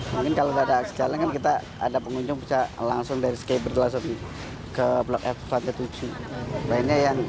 mungkin kalau nggak ada aset jalan kan kita ada pengunjung bisa langsung dari ski bertolasovi ke blok f pasar tanah abang